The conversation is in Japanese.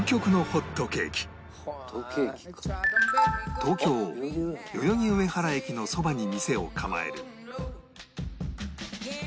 東京代々木上原駅のそばに店を構える